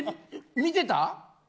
見てた。